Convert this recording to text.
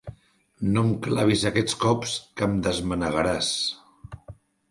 No em clavis aquests cops, que em desmanegaràs.